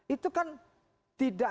itu kan tidak